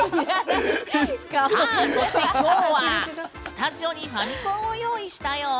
そして、今日はスタジオにファミコンを用意したよ。